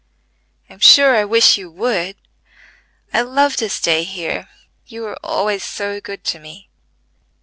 "I'm sure I wish you would: I love to stay here, you are always so good to me.